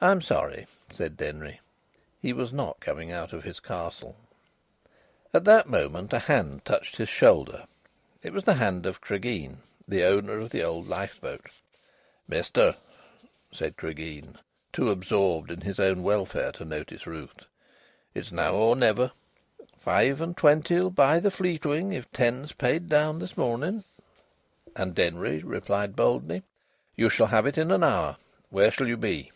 "I'm sorry," said Denry. He was not coming out of his castle. At that moment a hand touched his shoulder. It was the hand of Cregeen, the owner of the old lifeboat. "Mister," said Cregeen, too absorbed in his own welfare to notice Ruth. "It's now or never! Five and twenty'll buy the Fleetwing, if ten's paid down this mornun." And Denry replied boldly: "You shall have it in an hour. Where shall you be?"